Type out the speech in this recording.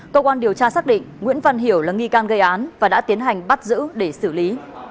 cơ quan điều tra xác định nguyễn văn hiểu là nghi can gây án và đã tiến hành bắt giữ để xử lý